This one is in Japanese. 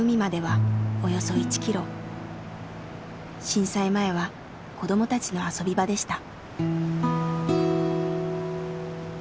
震災前は子どもたちの遊び場でした。